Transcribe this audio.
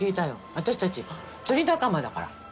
私たち釣り仲間だから。